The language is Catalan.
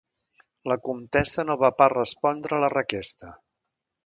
La comtessa no va pas respondre a la requesta.